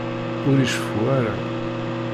Ur iceffu ara.